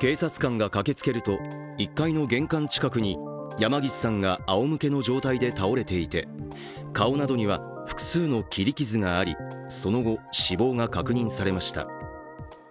警察官が駆けつけると、１階の玄関近くに山岸さんがあおむけの状態で倒れていて顔などには複数の切り傷があり、その後、死亡が確認されました。